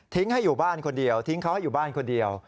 ให้อยู่บ้านคนเดียวทิ้งเขาให้อยู่บ้านคนเดียว